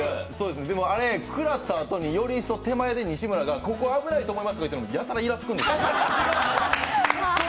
あれ、食らったあとにより一層、手前で西村が「ここは危ないと思います」って言うのやたらいらつくんです。